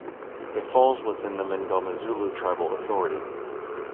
It falls within the Mngomezulu Tribal Authority.